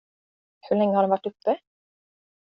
Hur länge har den varit uppe?